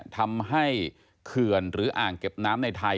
เขื่อนหรืออ่างเก็บน้ำในไทย